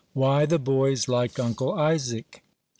WHY THE BOYS LIKED UNCLE ISAAC.